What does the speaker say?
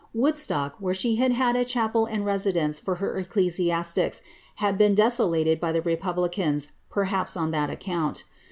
Woodstock, where she had had a chapel and residence r her ecclesiastics, had been desolated by the republicans, perhaps on at account.